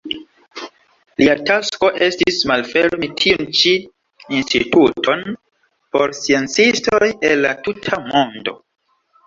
Lia tasko estis malfermi tiun ĉi instituton por sciencistoj el la tuta mondo.